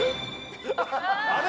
あれ！